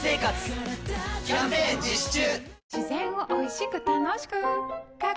キャンペーン実施中！